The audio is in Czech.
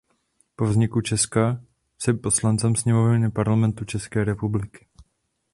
Po vzniku Česka je poslancem sněmovny Parlamentu České republiky.